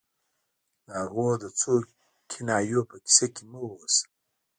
د هغوی د څو کنایو په کیسه کې مه اوسه